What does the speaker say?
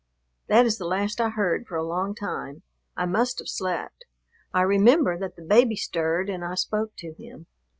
That is the last I heard for a long time. I must have slept. I remember that the baby stirred and I spoke to him.